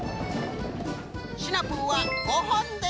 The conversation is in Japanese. シナプーは５ほんでした！